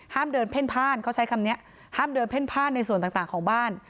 ห้ามเดินเพ่นพ่านเขาใช้คำนี้ห้ามเดินเพ่นผ้านในส่วนต่างของบ้าน